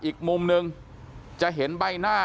อีกมุมหนึ่งจะเห็นใบหน้า